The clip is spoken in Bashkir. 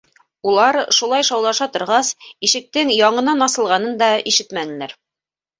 Улар, шулай шаулаша торғас, ишектең яңынан асылғанын да ишетмәнеләр.